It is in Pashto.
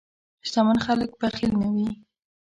شتمن خلک بخیل نه وي.